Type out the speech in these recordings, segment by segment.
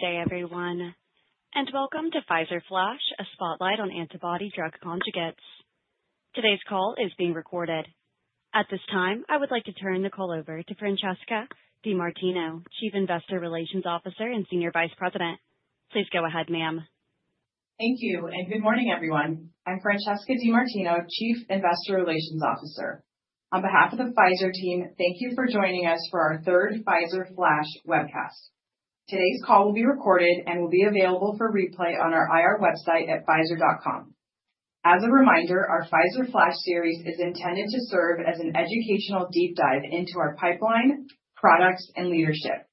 Good day, everyone, and welcome to Pfizer Flash, a spotlight on antibody-drug conjugates. Today's call is being recorded. At this time, I would like to turn the call over to Francesca DeMartino, Chief Investor Relations Officer and Senior Vice President. Please go ahead, ma'am. Thank you, and good morning, everyone. I'm Francesca DeMartino, Chief Investor Relations Officer. On behalf of the Pfizer team, thank you for joining us for our third Pfizer Flash webcast. Today's call will be recorded and will be available for replay on our IR website at pfizer.com. As a reminder, our Pfizer Flash series is intended to serve as an educational deep dive into our pipeline, products, and leadership.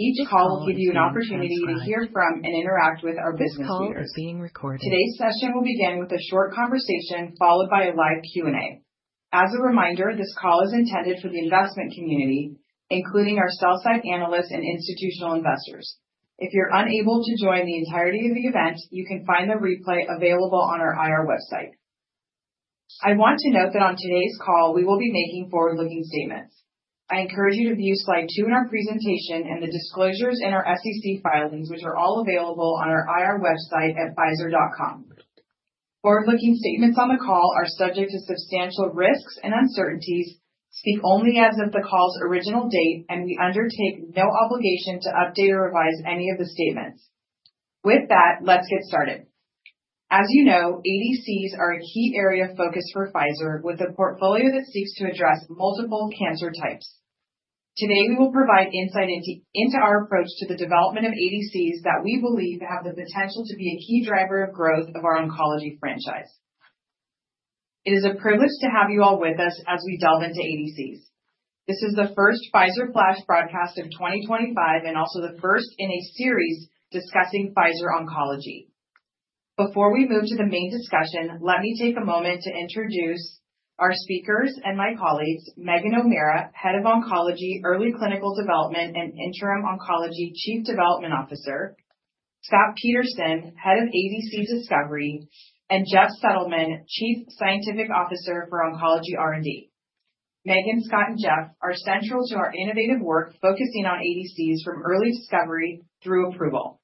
Each call will give you an opportunity to hear from and interact with our business leaders. This call is being recorded. Today's session will begin with a short conversation followed by a live Q&A. As a reminder, this call is intended for the investment community, including our sell-side analysts and institutional investors. If you're unable to join the entirety of the event, you can find the replay available on our IR website. I want to note that on today's call, we will be making forward-looking statements. I encourage you to view Slide 2 in our presentation and the disclosures in our SEC filings, which are all available on our IR website at pfizer.com. Forward-looking statements on the call are subject to substantial risks and uncertainties, speak only as of the call's original date, and we undertake no obligation to update or revise any of the statements. With that, let's get started. As you know, ADCs are a key area of focus for Pfizer, with a portfolio that seeks to address multiple cancer types. Today, we will provide insight into our approach to the development of ADCs that we believe have the potential to be a key driver of growth of our oncology franchise. It is a privilege to have you all with us as we delve into ADCs. This is the first Pfizer Flash broadcast of 2025 and also the first in a series discussing Pfizer oncology. Before we move to the main discussion, let me take a moment to introduce our speakers and my colleagues: Megan O'Mara, Head of Oncology Early Clinical Development and Interim Oncology Chief Development Officer; Scott Peterson, Head of ADC Discovery; and Jeff Settleman, Chief Scientific Officer for Oncology R&D. Megan, Scott, and Jeff are central to our innovative work focusing on ADCs from early discovery through approval.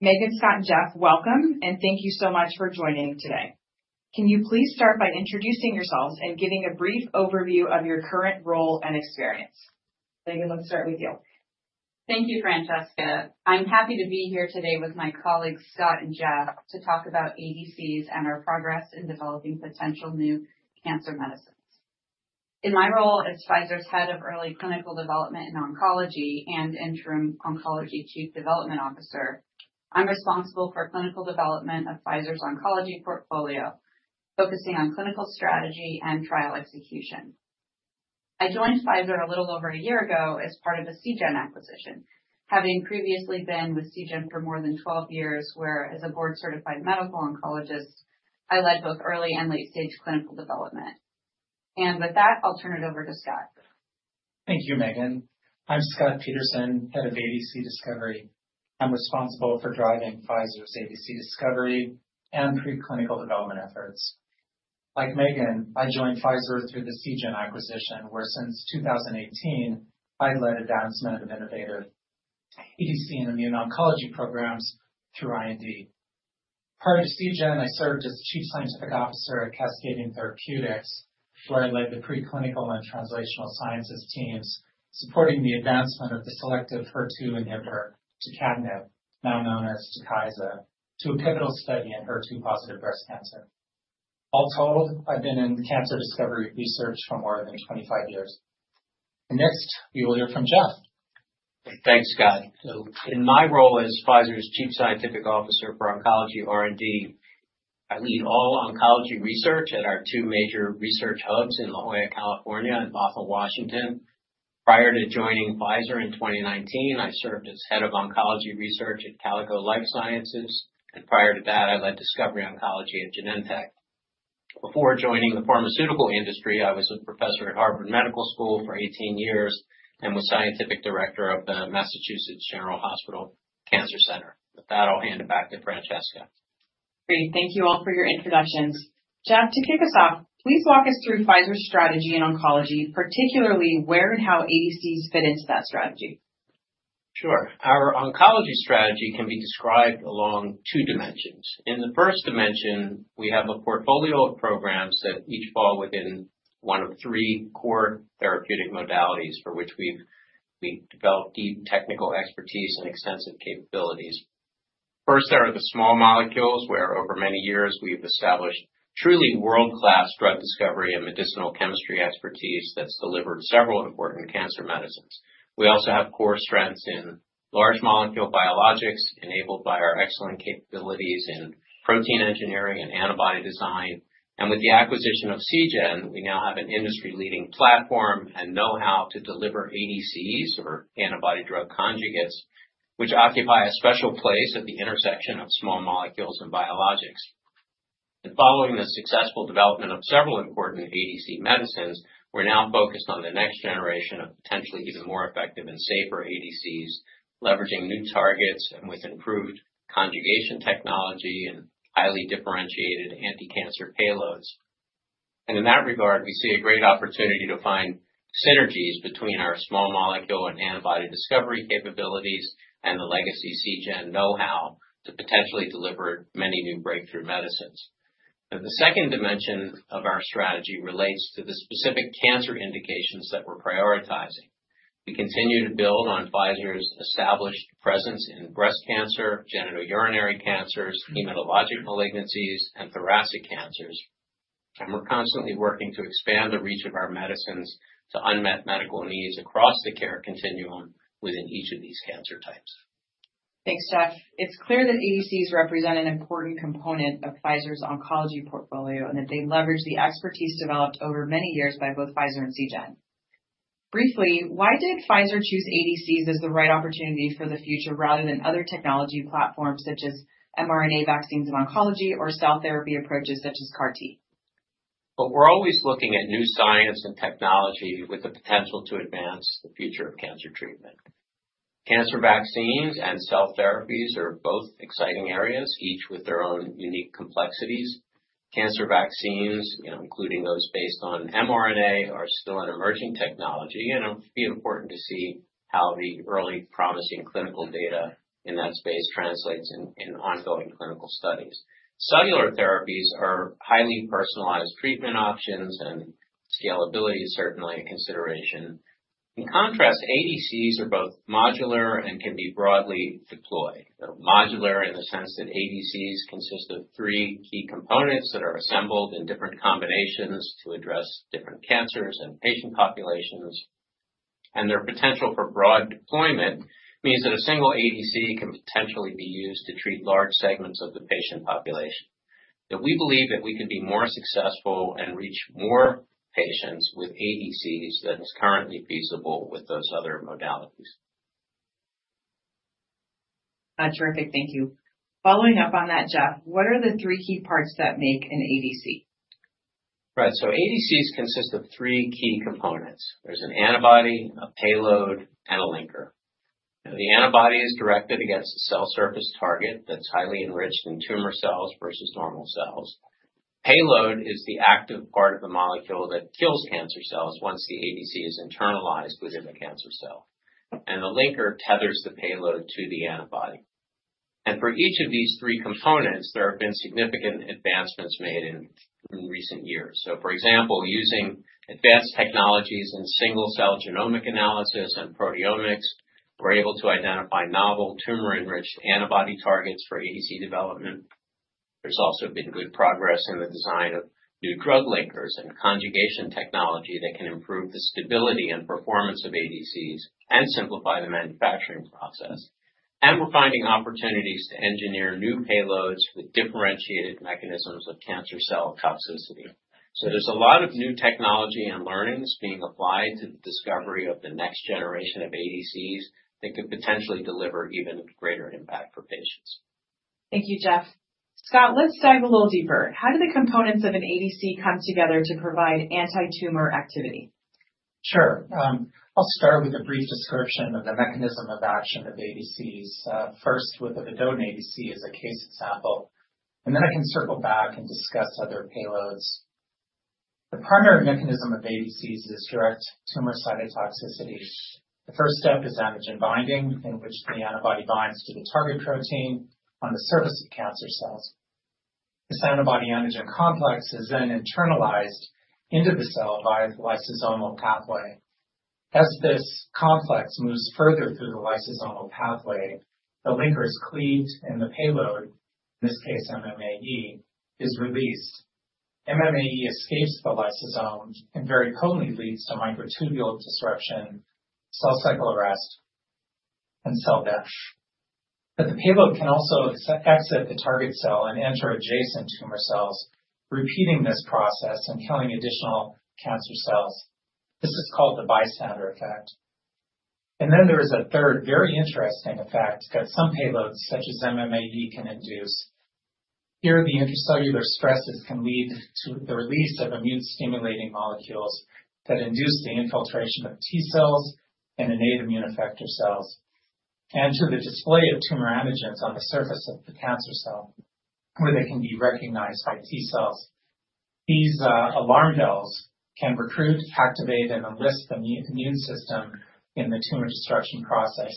Megan, Scott, and Jeff, welcome, and thank you so much for joining today. Can you please start by introducing yourselves and giving a brief overview of your current role and experience? Megan, let's start with you. Thank you, Francesca. I'm happy to be here today with my colleagues, Scott and Jeff, to talk about ADCs and our progress in developing potential new cancer medicines. In my role as Pfizer's Head of Early Clinical Development in Oncology and Interim Oncology Chief Development Officer, I'm responsible for clinical development of Pfizer's oncology portfolio, focusing on clinical strategy and trial execution. I joined Pfizer a little over a year ago as part of a Seagen acquisition, having previously been with Seagen for more than 12 years, where, as a board-certified medical oncologist, I led both early and late-stage clinical development, and with that, I'll turn it over to Scott. Thank you, Megan. I'm Scott Peterson, Head of ADC Discovery. I'm responsible for driving Pfizer's ADC discovery and preclinical development efforts. Like Megan, I joined Pfizer through the Seagen acquisition, where, since 2018, I've led advancement of innovative ADC and immune oncology programs through IND. Prior to Seagen, I served as Chief Scientific Officer at Cascadian Therapeutics, where I led the preclinical and translational sciences teams, supporting the advancement of the selective HER2 inhibitor tucatinib, now known as Tukysa, to a pivotal study in HER2-positive breast cancer. All told, I've been in cancer discovery research for more than 25 years, and next, we will hear from Jeff. Thanks, Scott. In my role as Pfizer's Chief Scientific Officer for Oncology R&D, I lead all oncology research at our two major research hubs in La Jolla, California, and Bothell, Washington. Prior to joining Pfizer in 2019, I served as Head of Oncology Research at Calico Life Sciences, and prior to that, I led discovery oncology at Genentech. Before joining the pharmaceutical industry, I was a professor at Harvard Medical School for 18 years and was scientific director of the Massachusetts General Hospital Cancer Center. With that, I'll hand it back to Francesca. Great. Thank you all for your introductions. Jeff, to kick us off, please walk us through Pfizer's strategy in oncology, particularly where and how ADCs fit into that strategy. Sure. Our oncology strategy can be described along two dimensions. In the first dimension, we have a portfolio of programs that each fall within one of three core therapeutic modalities for which we've developed deep technical expertise and extensive capabilities. First, there are the small molecules, where over many years we've established truly world-class drug discovery and medicinal chemistry expertise that's delivered several important cancer medicines. We also have core strengths in large molecule biologics, enabled by our excellent capabilities in protein engineering and antibody design, and with the acquisition of Seagen, we now have an industry-leading platform and know-how to deliver ADCs, or antibody-drug conjugates, which occupy a special place at the intersection of small molecules and biologics. Following the successful development of several important ADC medicines, we're now focused on the next generation of potentially even more effective and safer ADCs, leveraging new targets and with improved conjugation technology and highly differentiated anti-cancer payloads. In that regard, we see a great opportunity to find synergies between our small molecule and antibody discovery capabilities and the legacy Seagen know-how to potentially deliver many new breakthrough medicines. The second dimension of our strategy relates to the specific cancer indications that we're prioritizing. We continue to build on Pfizer's established presence in breast cancer, genitourinary cancers, hematologic malignancies, and thoracic cancers, and we're constantly working to expand the reach of our medicines to unmet medical needs across the care continuum within each of these cancer types. Thanks, Jeff. It's clear that ADCs represent an important component of Pfizer's oncology portfolio and that they leverage the expertise developed over many years by both Pfizer and Seagen. Briefly, why did Pfizer choose ADCs as the right opportunity for the future rather than other technology platforms such as mRNA vaccines in oncology or cell therapy approaches such as CAR-T? We're always looking at new science and technology with the potential to advance the future of cancer treatment. Cancer vaccines and cell therapies are both exciting areas, each with their own unique complexities. Cancer vaccines, including those based on mRNA, are still an emerging technology, and it'll be important to see how the early promising clinical data in that space translates in ongoing clinical studies. Cellular therapies are highly personalized treatment options, and scalability is certainly a consideration. In contrast, ADCs are both modular and can be broadly deployed. Modular in the sense that ADCs consist of three key components that are assembled in different combinations to address different cancers and patient populations. Their potential for broad deployment means that a single ADC can potentially be used to treat large segments of the patient population. We believe that we can be more successful and reach more patients with ADCs than is currently feasible with those other modalities. Terrific. Thank you. Following up on that, Jeff, what are the three key parts that make an ADC? Right, so ADCs consist of three key components. There's an antibody, a payload, and a linker. The antibody is directed against a cell surface target that's highly enriched in tumor cells versus normal cells. Payload is the active part of the molecule that kills cancer cells once the ADC is internalized within the cancer cell. And the linker tethers the payload to the antibody. And for each of these three components, there have been significant advancements made in recent years. So, for example, using advanced technologies in single-cell genomic analysis and proteomics, we're able to identify novel tumor-enriched antibody targets for ADC development. There's also been good progress in the design of new drug linkers and conjugation technology that can improve the stability and performance of ADCs and simplify the manufacturing process. And we're finding opportunities to engineer new payloads with differentiated mechanisms of cancer cell toxicity. So there's a lot of new technology and learnings being applied to the discovery of the next generation of ADCs that could potentially deliver even greater impact for patients. Thank you, Jeff. Scott, let's dive a little deeper. How do the components of an ADC come together to provide anti-tumor activity? Sure. I'll start with a brief description of the mechanism of action of ADCs, first with a vedotin ADC as a case example, and then I can circle back and discuss other payloads. The primary mechanism of ADCs is direct tumor cytotoxicity. The first step is antigen binding, in which the antibody binds to the target protein on the surface of cancer cells. This antibody-antigen complex is then internalized into the cell via the lysosomal pathway. As this complex moves further through the lysosomal pathway, the linker is cleaved, and the payload, in this case, MMAE, is released. MMAE escapes the lysosome and very potently leads to microtubule disruption, cell cycle arrest, and cell death. But the payload can also exit the target cell and enter adjacent tumor cells, repeating this process and killing additional cancer cells. This is called the bystander effect. And then there is a third, very interesting effect that some payloads, such as MMAE, can induce. Here, the intracellular stresses can lead to the release of immune-stimulating molecules that induce the infiltration of T cells and innate immune effector cells and to the display of tumor antigens on the surface of the cancer cell, where they can be recognized by T cells. These alarm bells can recruit, activate, and enlist the immune system in the tumor destruction process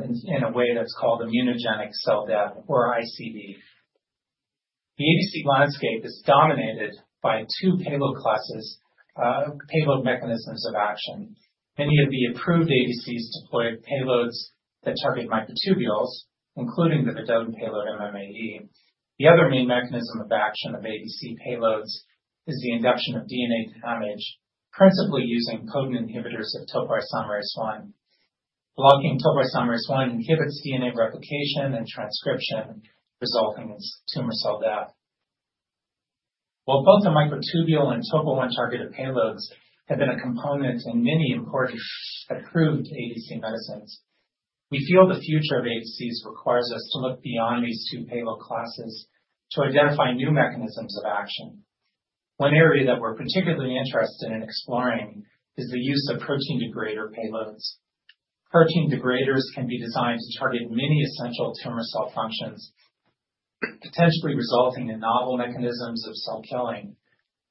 in a way that's called immunogenic cell death, or ICD. The ADC landscape is dominated by two payload classes, payload mechanisms of action. Many of the approved ADCs deploy payloads that target microtubules, including the Vedotin payload MMAE. The other main mechanism of action of ADC payloads is the induction of DNA damage, principally using potent inhibitors of topoisomerase-1. Blocking topoisomerase-1 inhibits DNA replication and transcription, resulting in tumor cell death. While both the microtubule and topo-1 targeted payloads have been a component in many important approved ADC medicines, we feel the future of ADCs requires us to look beyond these two payload classes to identify new mechanisms of action. One area that we're particularly interested in exploring is the use of protein degrader payloads. Protein degraders can be designed to target many essential tumor cell functions, potentially resulting in novel mechanisms of cell killing.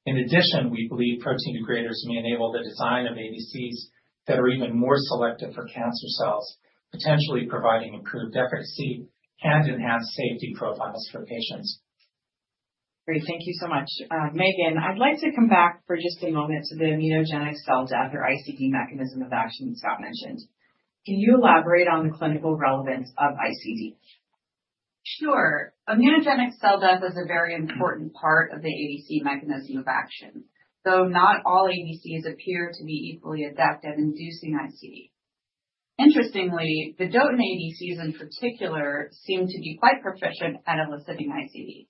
In addition, we believe protein degraders may enable the design of ADCs that are even more selective for cancer cells, potentially providing improved efficacy and enhanced safety profiles for patients. Great. Thank you so much. Megan, I'd like to come back for just a moment to the immunogenic cell death, or ICD, mechanism of action Scott mentioned. Can you elaborate on the clinical relevance of ICD? Sure. Immunogenic cell death is a very important part of the ADC mechanism of action, though not all ADCs appear to be equally effective in inducing ICD. Interestingly, the Vedotin ADCs in particular seem to be quite proficient at eliciting ICD.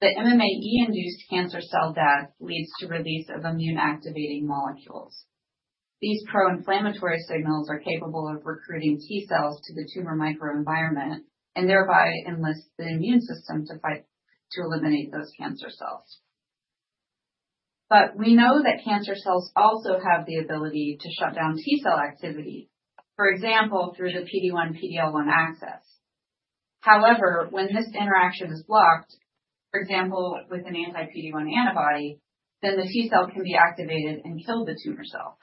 The MMAE-induced cancer cell death leads to release of immune-activating molecules. These pro-inflammatory signals are capable of recruiting T cells to the tumor microenvironment and thereby enlist the immune system to eliminate those cancer cells. But we know that cancer cells also have the ability to shut down T cell activity, for example, through the PD-1, PD-L1 axis. However, when this interaction is blocked, for example, with an anti-PD-1 antibody, then the T cell can be activated and kill the tumor cell.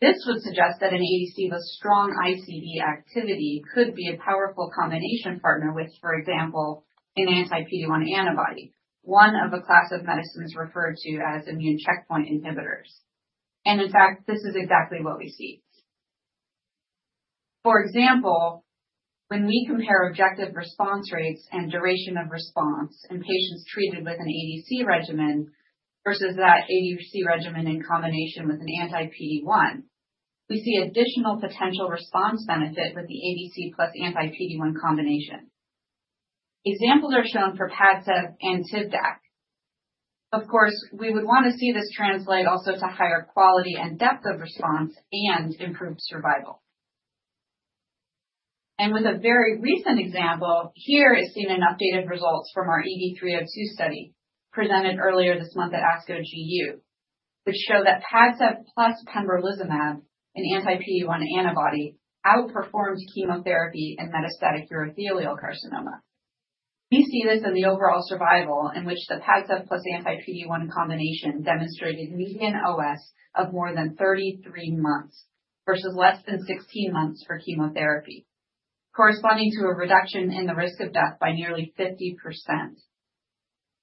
This would suggest that an ADC with strong ICD activity could be a powerful combination partner with, for example, an anti-PD-1 antibody, one of a class of medicines referred to as immune checkpoint inhibitors, and in fact, this is exactly what we see. For example, when we compare objective response rates and duration of response in patients treated with an ADC regimen versus that ADC regimen in combination with an anti-PD-1, we see additional potential response benefit with the ADC plus anti-PD-1 combination. Examples are shown for PADCEV and TIVDAK. Of course, we would want to see this translate also to higher quality and depth of response and improved survival, and with a very recent example, here is seen an updated result from our EV-302 study presented earlier this month at ASCO GU, which showed that PADCEV plus pembrolizumab, an anti-PD-1 antibody, outperformed chemotherapy in metastatic urothelial carcinoma. We see this in the overall survival in which the PADCEV plus anti-PD-1 combination demonstrated median OS of more than 33 months versus less than 16 months for chemotherapy, corresponding to a reduction in the risk of death by nearly 50%.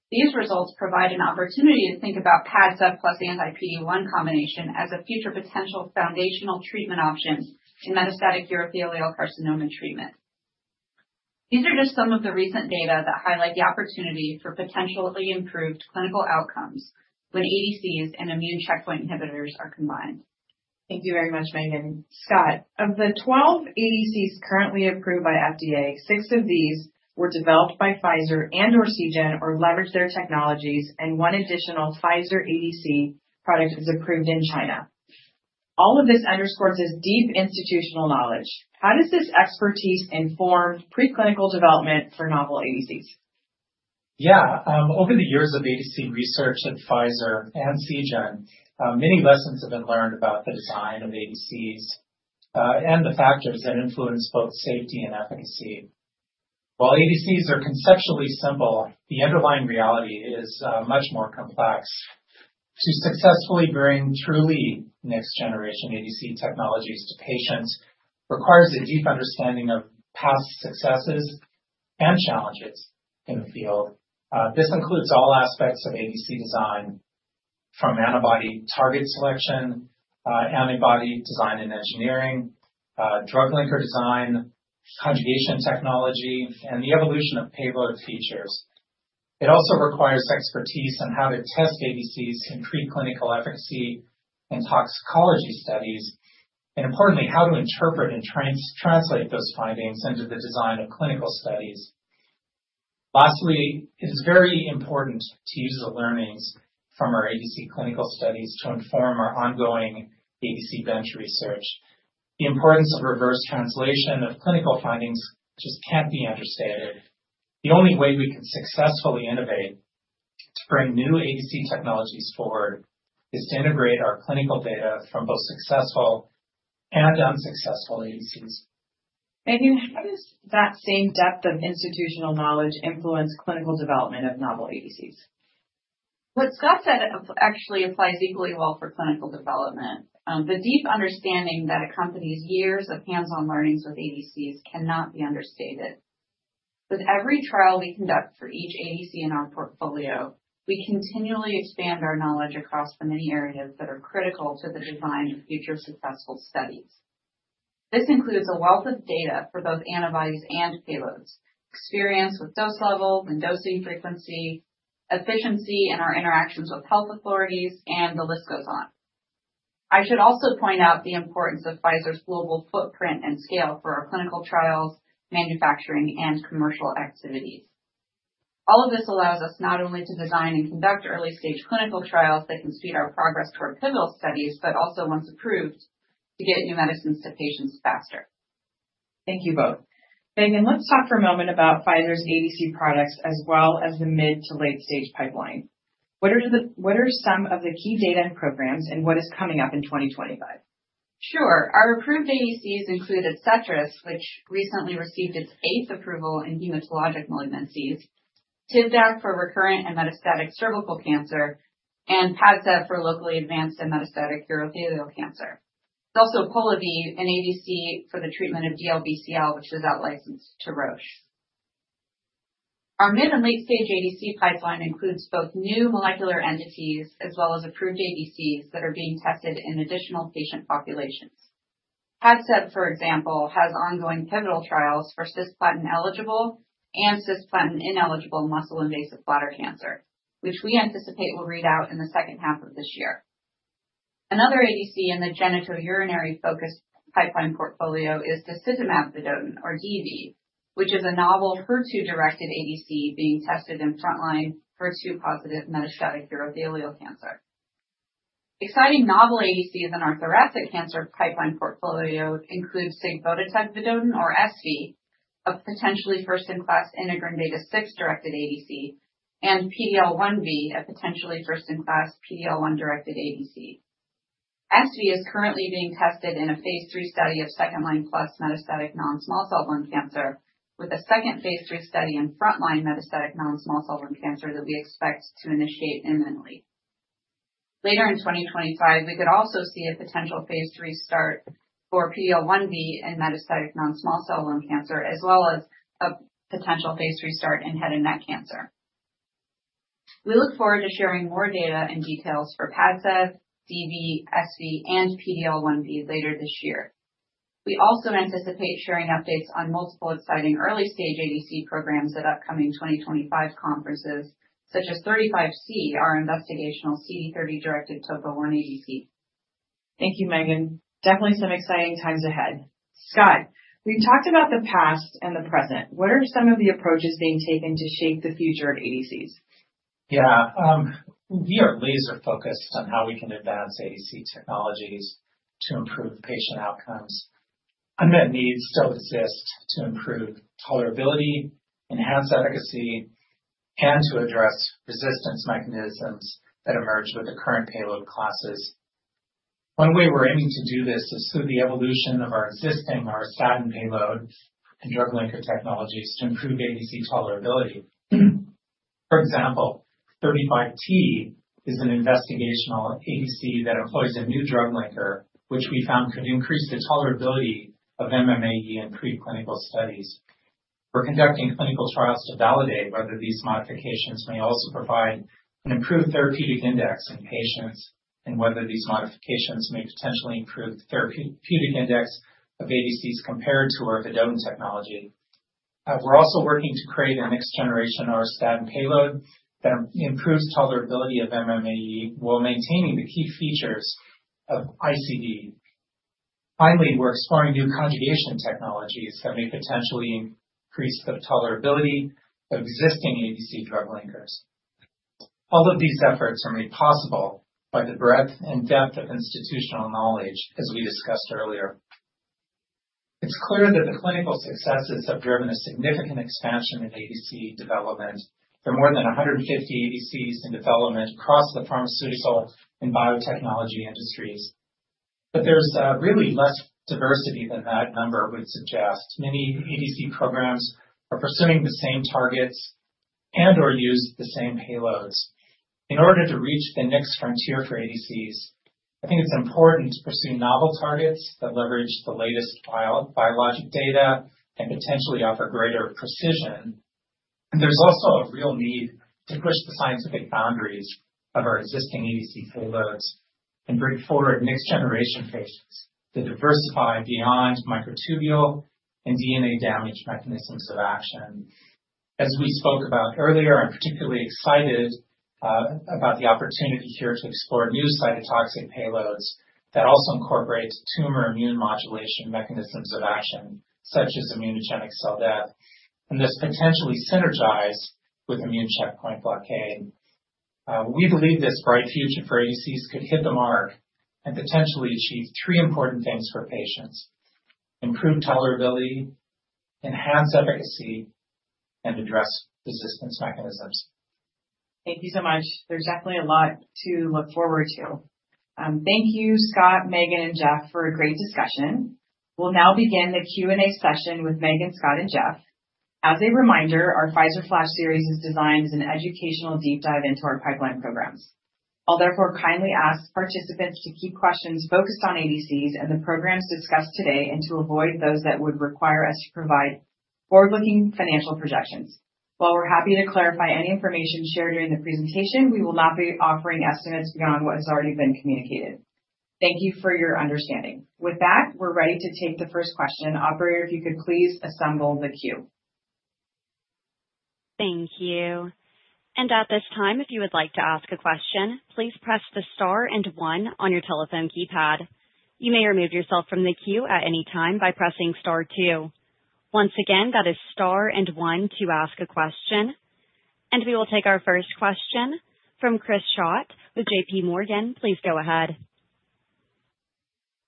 These results provide an opportunity to think about PADCEV plus anti-PD-1 combination as a future potential foundational treatment option in metastatic urothelial carcinoma treatment. These are just some of the recent data that highlight the opportunity for potentially improved clinical outcomes when ADCs and immune checkpoint inhibitors are combined. Thank you very much, Megan. Scott, of the 12 ADCs currently approved by FDA, six of these were developed by Pfizer and/or Seagen or leverage their technologies, and one additional Pfizer ADC product is approved in China. All of this underscores this deep institutional knowledge. How does this expertise inform preclinical development for novel ADCs? Yeah. Over the years of ADC research at Pfizer and Seagen, many lessons have been learned about the design of ADCs and the factors that influence both safety and efficacy. While ADCs are conceptually simple, the underlying reality is much more complex. To successfully bring truly next-generation ADC technologies to patients requires a deep understanding of past successes and challenges in the field. This includes all aspects of ADC design, from antibody target selection, antibody design and engineering, drug linker design, conjugation technology, and the evolution of payload features. It also requires expertise in how to test ADCs in preclinical efficacy and toxicology studies, and importantly, how to interpret and translate those findings into the design of clinical studies. Lastly, it is very important to use the learnings from our ADC clinical studies to inform our ongoing ADC bench research. The importance of reverse translation of clinical findings just can't be understated. The only way we can successfully innovate to bring new ADC technologies forward is to integrate our clinical data from both successful and unsuccessful ADCs. Megan, how does that same depth of institutional knowledge influence clinical development of novel ADCs? What Scott said actually applies equally well for clinical development. The deep understanding that accompanies years of hands-on learnings with ADCs cannot be understated. With every trial we conduct for each ADC in our portfolio, we continually expand our knowledge across the many areas that are critical to the design of future successful studies. This includes a wealth of data for both antibodies and payloads, experience with dose levels and dosing frequency, efficiency in our interactions with health authorities, and the list goes on. I should also point out the importance of Pfizer's global footprint and scale for our clinical trials, manufacturing, and commercial activities. All of this allows us not only to design and conduct early-stage clinical trials that can speed our progress toward pivotal studies, but also, once approved, to get new medicines to patients faster. Thank you both. Megan, let's talk for a moment about Pfizer's ADC products as well as the mid- to late-stage pipeline. What are some of the key data and programs, and what is coming up in 2025? Sure. Our approved ADCs include Adcetris, which recently received its eighth approval in hematologic malignancies, Tivdak for recurrent and metastatic cervical cancer, and Padcev for locally advanced and metastatic urothelial cancer. There's also Polivy, an ADC for the treatment of DLBCL, which is out-licensed to Roche. Our mid and late-stage ADC pipeline includes both new molecular entities as well as approved ADCs that are being tested in additional patient populations. Padcev, for example, has ongoing pivotal trials for cisplatin-eligible and cisplatin-ineligible muscle-invasive bladder cancer, which we anticipate will read out in the second half of this year. Another ADC in the genitourinary-focused pipeline portfolio is disitamab vedotin, or DV, which is a novel HER2-directed ADC being tested in frontline HER2-positive metastatic urothelial cancer. Exciting novel ADCs in our thoracic cancer pipeline portfolio include sigvotatug vedotin, or SV, a potentially first-in-class integrin beta-6-directed ADC, and PD-L1V, a potentially first-in-class PD-L1-directed ADC. SV is currently being tested in a phase III study of second-line plus metastatic non-small cell lung cancer, with a second phase III study in frontline metastatic non-small cell lung cancer that we expect to initiate imminently. Later in 2025, we could also see a potential phase III start for PD-L1V in metastatic non-small cell lung cancer, as well as a potential phase III start in head and neck cancer. We look forward to sharing more data and details for PADCEV, DV, SV, and PD-L1V later this year. We also anticipate sharing updates on multiple exciting early-stage ADC programs at upcoming 2025 conferences, such as SGN-35C, our investigational CD30-directed topo-1 ADC. Thank you, Megan. Definitely some exciting times ahead. Scott, we've talked about the past and the present. What are some of the approaches being taken to shape the future of ADCs? Yeah. We are laser-focused on how we can advance ADC technologies to improve patient outcomes. Unmet needs still exist to improve tolerability, enhance efficacy, and to address resistance mechanisms that emerge with the current payload classes. One way we're aiming to do this is through the evolution of our existing auristatin payload and drug linker technologies to improve ADC tolerability. For example, SGN-35T is an investigational ADC that employs a new drug linker, which we found could increase the tolerability of MMAE in preclinical studies. We're conducting clinical trials to validate whether these modifications may also provide an improved therapeutic index in patients and whether these modifications may potentially improve the therapeutic index of ADCs compared to our Vedotin technology. We're also working to create a next-generation auristatin payload that improves tolerability of MMAE while maintaining the key features of ICD. Finally, we're exploring new conjugation technologies that may potentially increase the tolerability of existing ADC drug linkers. All of these efforts are made possible by the breadth and depth of institutional knowledge, as we discussed earlier. It's clear that the clinical successes have driven a significant expansion in ADC development. There are more than 150 ADCs in development across the pharmaceutical and biotechnology industries. But there's really less diversity than that number would suggest. Many ADC programs are pursuing the same targets and/or use the same payloads. In order to reach the next frontier for ADCs, I think it's important to pursue novel targets that leverage the latest biologic data and potentially offer greater precision. And there's also a real need to push the scientific boundaries of our existing ADC payloads and bring forward next-generation payloads to diversify beyond microtubule and DNA damage mechanisms of action. As we spoke about earlier, I'm particularly excited about the opportunity here to explore new cytotoxic payloads that also incorporate tumor immune modulation mechanisms of action, such as immunogenic cell death, and this potentially synergize with immune checkpoint blockade. We believe this bright future for ADCs could hit the mark and potentially achieve three important things for patients: improve tolerability, enhance efficacy, and address resistance mechanisms. Thank you so much. There's definitely a lot to look forward to. Thank you, Scott, Megan, and Jeff, for a great discussion. We'll now begin the Q&A session with Megan, Scott, and Jeff. As a reminder, our Pfizer Flash series is designed as an educational deep dive into our pipeline programs. I'll therefore kindly ask participants to keep questions focused on ADCs and the programs discussed today and to avoid those that would require us to provide forward-looking financial projections. While we're happy to clarify any information shared during the presentation, we will not be offering estimates beyond what has already been communicated. Thank you for your understanding. With that, we're ready to take the first question. Operator, if you could please assemble the queue. Thank you. And at this time, if you would like to ask a question, please press the star and one on your telephone keypad. You may remove yourself from the queue at any time by pressing star two. Once again, that is star and one to ask a question. And we will take our first question from Chris Schott with J.P. Morgan. Please go ahead.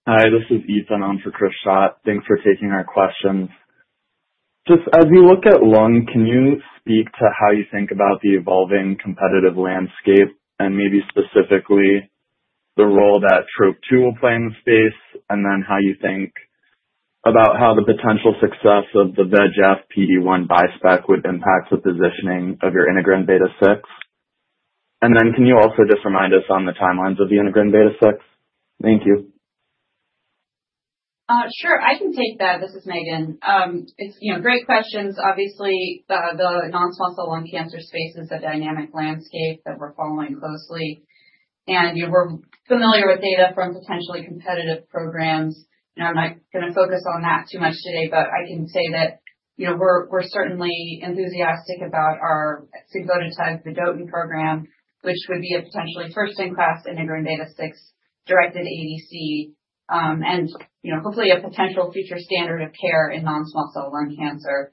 Hi, this is Ethan. I'm in for Chris Schott. Thanks for taking our questions. Just as we look at lung, can you speak to how you think about the evolving competitive landscape and maybe specifically the role that TROP2 will play in the space, and then how you think about how the potential success of the ivonescimab PD-1 bispecific would impact the positioning of your integrin beta-6? And then can you also just remind us on the timelines of the integrin beta-6? Thank you. Sure. I can take that. This is Megan. It's great questions. Obviously, the non-small cell lung cancer space is a dynamic landscape that we're following closely, and we're familiar with data from potentially competitive programs. I'm not going to focus on that too much today, but I can say that we're certainly enthusiastic about our sigvotatug vedotin program, which would be a potentially first-in-class integrin beta-6-directed ADC and hopefully a potential future standard of care in non-small cell lung cancer.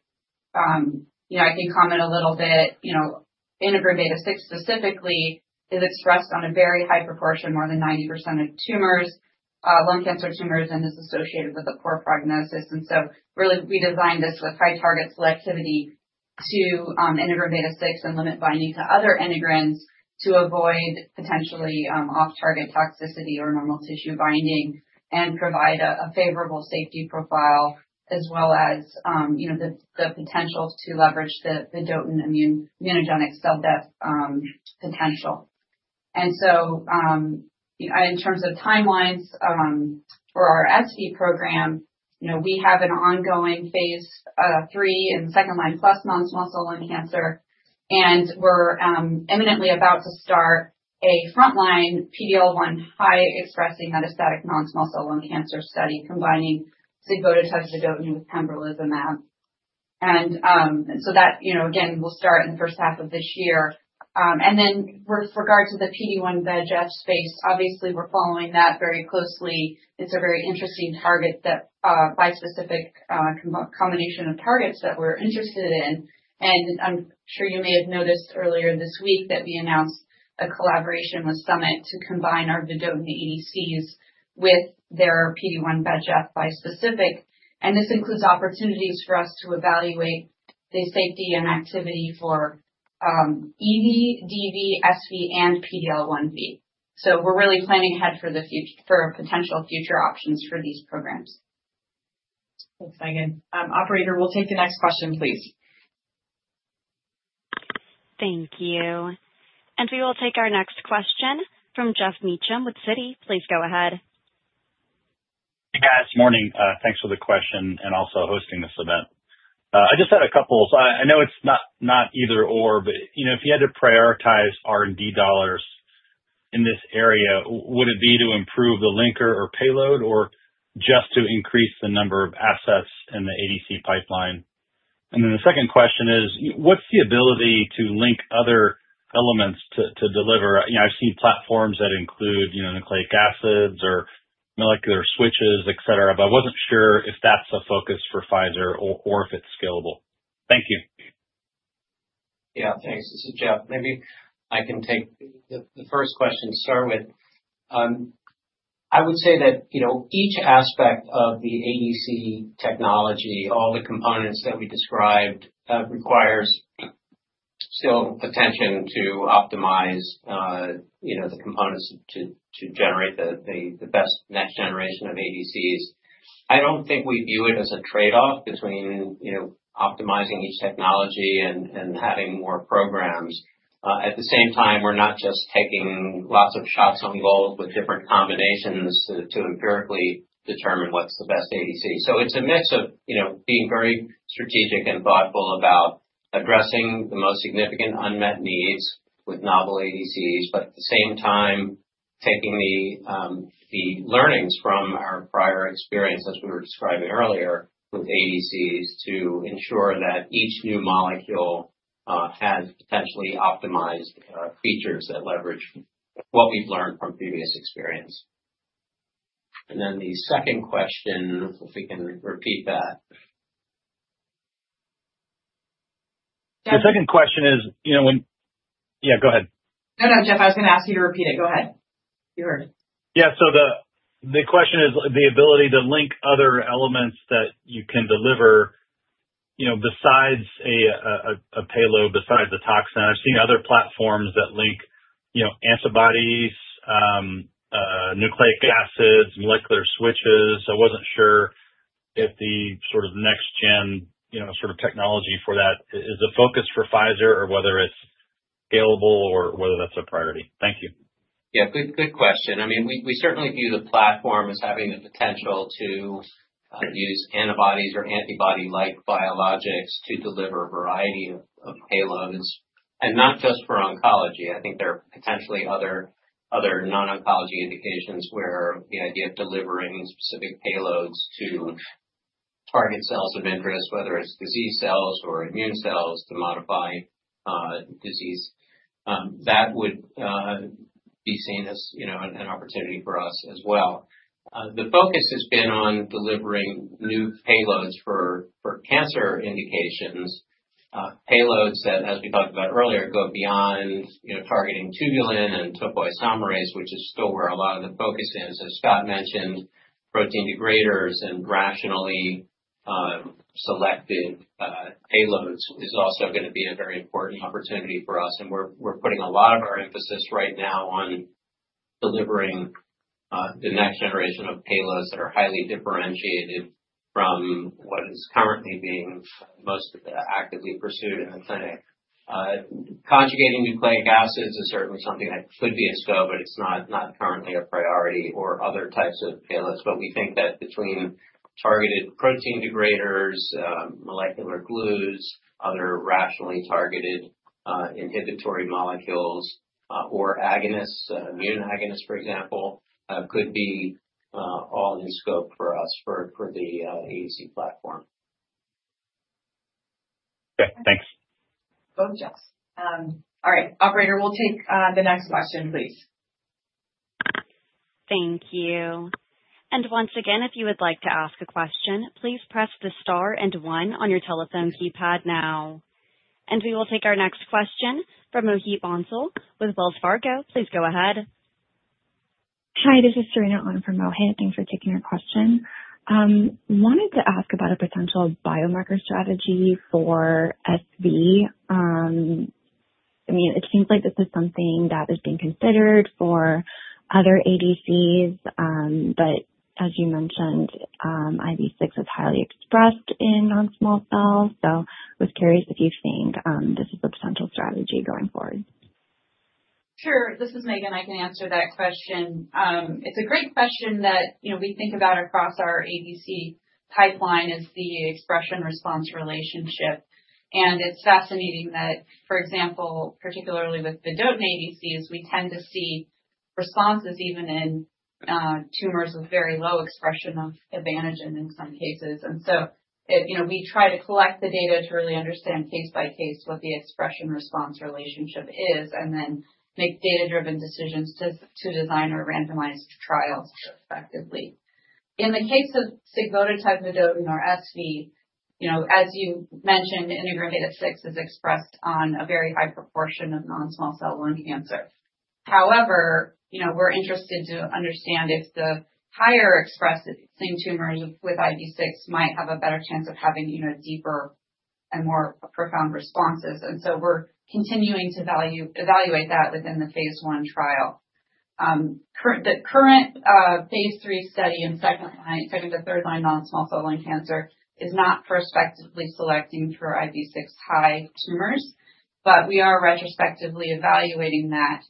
I can comment a little bit. Integrin beta-6 specifically is expressed on a very high proportion, more than 90% of tumors, lung cancer tumors, and is associated with a poor prognosis. So really, we designed this with high target selectivity to integrin beta-6 and limit binding to other integrins to avoid potentially off-target toxicity or normal tissue binding and provide a favorable safety profile as well as the potential to leverage the vedotin immunogenic cell death potential. In terms of timelines for our SV program, we have an ongoing phase III in second-line plus non-small cell lung cancer, and we're imminently about to start a frontline PD-L1 high-expressing metastatic non-small cell lung cancer study combining sigvotatug vedotin with pembrolizumab. That, again, we'll start in the first half of this year. With regard to the PD-L1 V ADC space, obviously, we're following that very closely. It's a very interesting target, that bispecific combination of targets that we're interested in. And I'm sure you may have noticed earlier this week that we announced a collaboration with Summit to combine our Vedotin ADCs with their PD-1/VEGF bispecific. And this includes opportunities for us to evaluate the safety and activity for EV, DV, SV, and PD-L1V. So we're really planning ahead for potential future options for these programs. Thanks, Megan. Operator, we'll take the next question, please. Thank you. And we will take our next question from Geoff Meacham with Citi. Please go ahead. Hey, guys. Morning. Thanks for the question and also hosting this event. I just had a couple. So I know it's not either/or, but if you had to prioritize R&D dollars in this area, would it be to improve the linker or payload or just to increase the number of assets in the ADC pipeline? And then the second question is, what's the ability to link other elements to deliver? I've seen platforms that include nucleic acids or molecular switches, etc., but I wasn't sure if that's a focus for Pfizer or if it's scalable. Thank you. Yeah. Thanks. This is Jeff. Maybe I can take the first question to start with. I would say that each aspect of the ADC technology, all the components that we described, requires still attention to optimize the components to generate the best next generation of ADCs. I don't think we view it as a trade-off between optimizing each technology and having more programs. At the same time, we're not just taking lots of shots on goal with different combinations to empirically determine what's the best ADC. So it's a mix of being very strategic and thoughtful about addressing the most significant unmet needs with novel ADCs, but at the same time, taking the learnings from our prior experience, as we were describing earlier, with ADCs to ensure that each new molecule has potentially optimized features that leverage what we've learned from previous experience. And then the second question, if we can repeat that. The second question is, when yeah, go ahead. No, no, Jeff. I was going to ask you to repeat it. Go ahead. You heard. Yeah. So the question is the ability to link other elements that you can deliver besides a payload, besides the toxin. I've seen other platforms that link antibodies, nucleic acids, molecular switches. I wasn't sure if the sort of next-gen sort of technology for that is a focus for Pfizer or whether it's scalable or whether that's a priority. Thank you. Yeah. Good question. I mean, we certainly view the platform as having the potential to use antibodies or antibody-like biologics to deliver a variety of payloads, and not just for oncology. I think there are potentially other non-oncology indications where the idea of delivering specific payloads to target cells of interest, whether it's disease cells or immune cells to modify disease, that would be seen as an opportunity for us as well. The focus has been on delivering new payloads for cancer indications, payloads that, as we talked about earlier, go beyond targeting tubulin and topoisomerase, which is still where a lot of the focus is. As Scott mentioned, protein degraders and rationally selected payloads is also going to be a very important opportunity for us. We're putting a lot of our emphasis right now on delivering the next generation of payloads that are highly differentiated from what is currently being most actively pursued in the clinic. Conjugating nucleic acids is certainly something that could be in scope, but it's not currently a priority or other types of payloads, but we think that between targeted protein degraders, molecular glues, other rationally targeted inhibitory molecules, or agonists, immune agonists, for example, could be all in scope for us for the ADC platform. Okay. Thanks. Both Jeffs. All right. Operator, we'll take the next question, please. Thank you. And once again, if you would like to ask a question, please press the star and one on your telephone keypad now. And we will take our next question from Mohit Bansal with Wells Fargo. Please go ahead. Hi. This is Serena Eom from Mohit. Thanks for taking our question. Wanted to ask about a potential biomarker strategy for SV. I mean, it seems like this is something that is being considered for other ADCs, but as you mentioned, IB6 is highly expressed in non-small cells. So I was curious if you think this is a potential strategy going forward. Sure. This is Megan. I can answer that question. It's a great question that we think about across our ADC pipeline: the expression-response relationship. And it's fascinating that, for example, particularly with Vedotin ADCs, we tend to see responses even in tumors with very low expression of the antigen in some cases. And so we try to collect the data to really understand case by case what the expression-response relationship is and then make data-driven decisions to design our randomized trials effectively. In the case of sigvotatug vedotin or SV, as you mentioned, integrin beta-6 is expressed on a very high proportion of non-small cell lung cancer. However, we're interested to understand if the higher expressing tumors with IB6 might have a better chance of having deeper and more profound responses. And so we're continuing to evaluate that within the phase I trial. The current phase III study in second-to-third-line non-small cell lung cancer is not prospectively selecting for IB6 high tumors, but we are retrospectively evaluating that,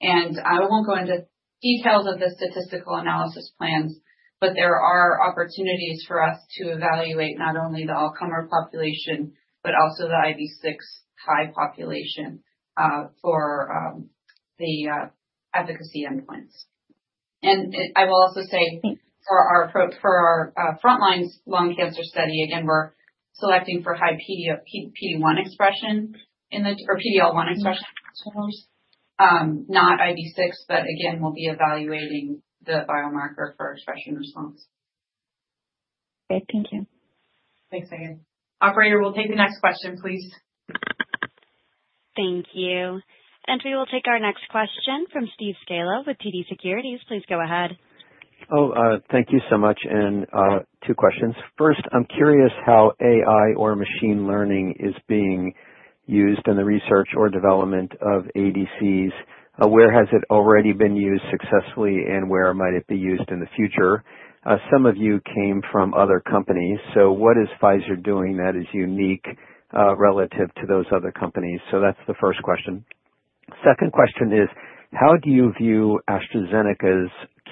and I won't go into details of the statistical analysis plans, but there are opportunities for us to evaluate not only the all-comer population, but also the IB6 high population for the efficacy endpoints, and I will also say for our frontline lung cancer study, again, we're selecting for high PD-1 expression or PD-L1 expression tumors, not IB6, but again, we'll be evaluating the biomarker for expression response. Great. Thank you. Thanks, Megan. Operator, we'll take the next question, please. Thank you, and we will take our next question from Steve Scala with TD Securities. Please go ahead. Oh, thank you so much. And two questions. First, I'm curious how AI or machine learning is being used in the research or development of ADCs. Where has it already been used successfully, and where might it be used in the future? Some of you came from other companies. So what is Pfizer doing that is unique relative to those other companies? So that's the first question. Second question is, how do you view AstraZeneca's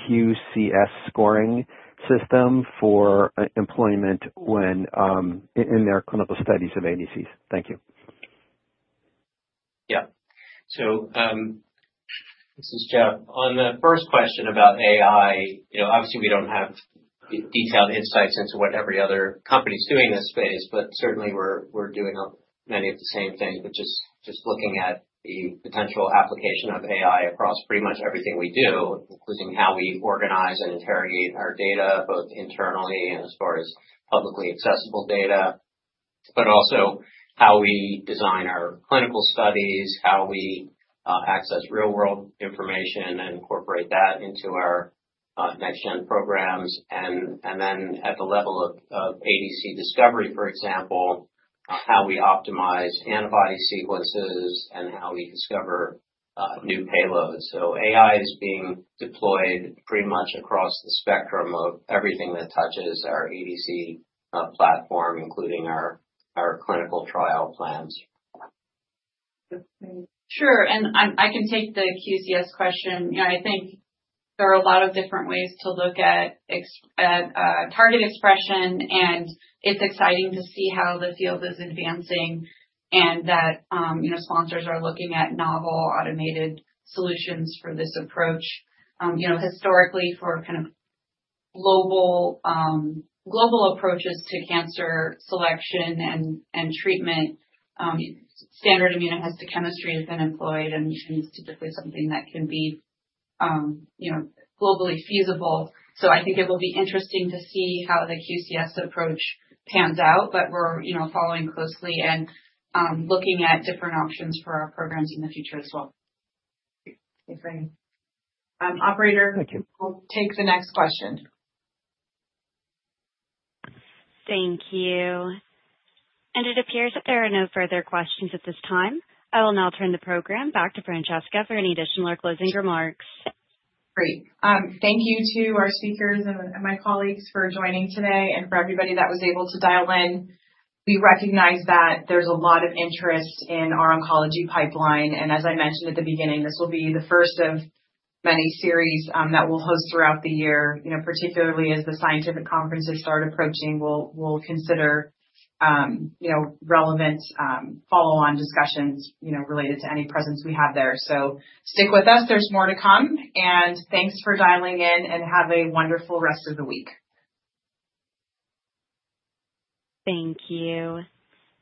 QCS scoring system for deployment in their clinical studies of ADCs? Thank you. Yeah. So this is Jeff. On the first question about AI, obviously, we don't have detailed insights into what every other company is doing in this space, but certainly, we're doing many of the same things, but just looking at the potential application of AI across pretty much everything we do, including how we organize and interrogate our data, both internally and as far as publicly accessible data, but also how we design our clinical studies, how we access real-world information and incorporate that into our next-gen programs. And then at the level of ADC discovery, for example, how we optimize antibody sequences and how we discover new payloads. So AI is being deployed pretty much across the spectrum of everything that touches our ADC platform, including our clinical trial plans. Sure. And I can take the QCS question. I think there are a lot of different ways to look at target expression, and it's exciting to see how the field is advancing and that sponsors are looking at novel automated solutions for this approach. Historically, for kind of global approaches to cancer selection and treatment, standard immunohistochemistry has been employed, and it's typically something that can be globally feasible. So I think it will be interesting to see how the QCS approach pans out, but we're following closely and looking at different options for our programs in the future as well. Thanks, Megan. Operator, we'll take the next question. Thank you. And it appears that there are no further questions at this time. I will now turn the program back to Francesca for any additional or closing remarks. Great. Thank you to our speakers and my colleagues for joining today and for everybody that was able to dial in. We recognize that there's a lot of interest in our oncology pipeline. As I mentioned at the beginning, this will be the first of many series that we'll host throughout the year, particularly as the scientific conferences start approaching. We'll consider relevant follow-on discussions related to any presence we have there. Stick with us. There's more to come. And thanks for dialing in, and have a wonderful rest of the week. Thank you.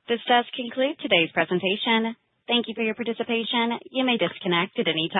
This does conclude today's presentation. Thank you for your participation. You may disconnect at any time.